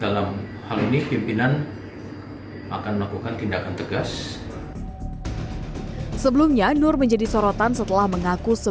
kompol d memiliki terkaitannya dengan hubungan dengan n ya melakukan perbuatan perselingkuhan